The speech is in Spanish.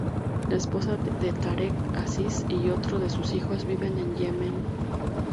La esposa de Tarek Aziz y otro de sus hijos viven en Yemen.